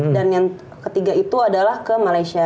dan yang ketiga itu adalah ke malaysia